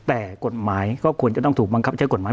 แต่กฎหมายก็ควรจะต้องถูกบังคับใช้กฎหมาย